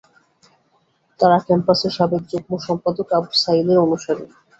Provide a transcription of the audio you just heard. তাঁরা ক্যাম্পাসে সাবেক যুগ্ম সম্পাদক আবু সাঈদের অনুসারী।